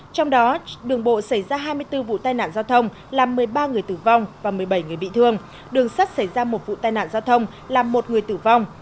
trong đó đường bộ xảy ra hai mươi bốn vụ tai nạn giao thông làm một mươi ba người tử vong và một mươi bảy người bị thương đường sắt xảy ra một vụ tai nạn giao thông làm một người tử vong